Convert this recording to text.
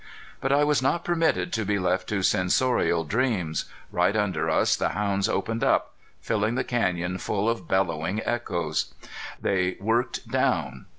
But I was not permitted to be left to sensorial dreams. Right under us the hounds opened up, filling the canyon full of bellowing echoes. They worked down.